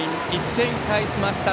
１点返しました。